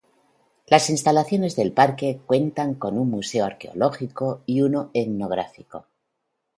Las instalaciones del parque cuentan con un museo arqueológico y uno etnográfico.